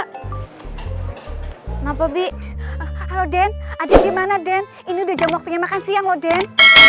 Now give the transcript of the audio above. kenapa bi halo den ada gimana den ini udah jam waktunya makan siang oh den